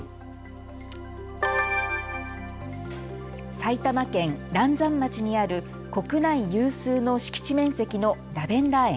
埼玉県嵐山町にある国内有数の敷地面積のラベンダー園。